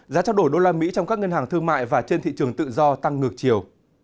giá trao đổi usd trong các ngân hàng thương mại và trên thị trường tự do tăng ngược chiều